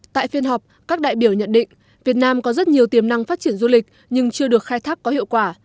tại phiên họp các đại biểu nhận định việt nam có rất nhiều tiềm năng phát triển du lịch nhưng chưa được khai thác có hiệu quả